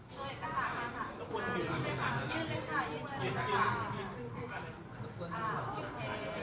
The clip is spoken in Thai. สวัสดีครับ